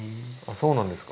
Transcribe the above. そうなんですか？